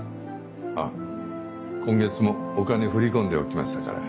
あっ今月もお金振り込んでおきましたから。